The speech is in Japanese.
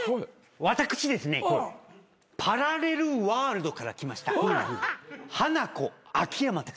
私ですねパラレルワールドから来ましたハナコ秋山です。